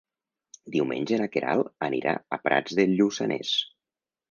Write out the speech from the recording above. Diumenge na Queralt anirà a Prats de Lluçanès.